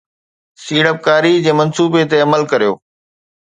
سيڙپڪاري جي منصوبي تي عمل ڪريو